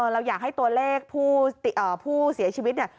เราอยากให้ตัวเลขผู้เสียชีวิตเนี่ย